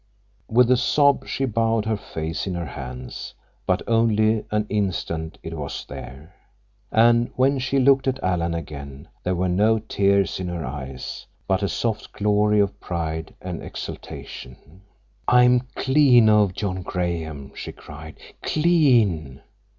With a sob she bowed her face in her hands, but only an instant it was there, and when she looked at Alan again, there were no tears in her eyes, but a soft glory of pride and exultation. "I am clean of John Graham," she cried. "_Clean!